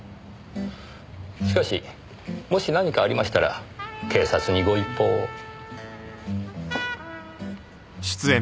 しかしもし何かありましたら警察にご一報を。